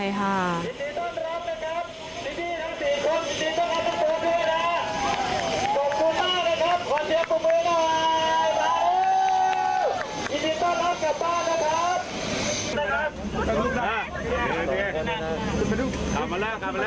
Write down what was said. ยินดีต้อนรับนะครับที่ที่ทั้งสี่คนยินดีต้อนรับทุกคนด้วยนะ